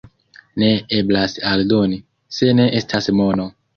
Ne eblas aldoni, se ne estas mono.